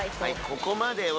ここまでは